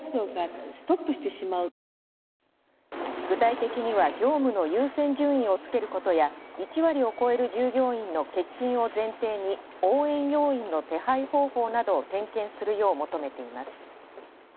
具体的には、業務の優先順位をつけることや１割を超える従業員の欠勤を前提に応援要員の手配方法などを点検するよう求めています。